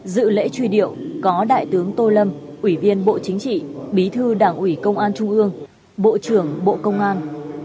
dự lễ truy điệu có đại tướng tô lâm ủy viên bộ chính trị bí thư đảng ủy công an trung ương bộ trưởng bộ công an